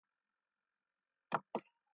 موں ٹُکبے اشپِلِی دہ مُزے یازِیاس۔